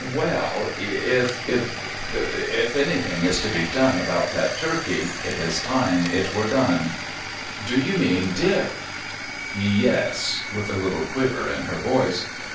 '* Well, if — if — if anything is to be done about that turkey, it is time it were done." *' Do you mean Dick? "Yes," with a little quiver in her voice.